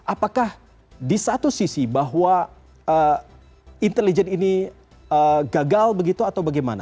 apakah di satu sisi bahwa intelijen ini gagal begitu atau bagaimana